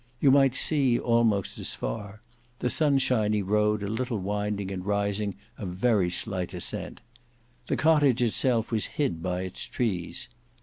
You might see almost as far; the sunshiny road a little winding and rising a very slight ascent. The cottage itself was hid by its trees.